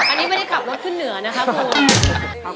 อันนี้ไม่ได้ขับรถขึ้นเหนือนะคะคุณ